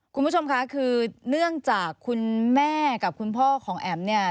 คุณผู้ชมค่ะคือเนื่องจากคุณแม่กับคุณพ่อของแอ๋มเนี่ย